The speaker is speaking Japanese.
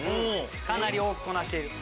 かなり多くこなしている。